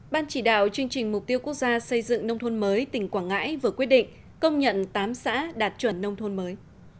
ban chỉ đạo chương trình mục tiêu quốc gia xây dựng nông thôn mới tỉnh quảng ngãi vừa quyết định công nhận tám xã đạt chuẩn nông thôn mới